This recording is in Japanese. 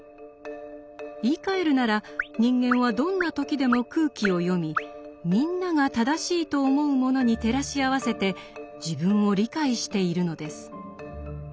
言いかえるなら人間はどんな時でも空気を読み「みんな」が正しいと思うものに照らし合わせて自分を理解しているのです。